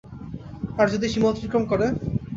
আর যদি সীমা অতিক্রম করে?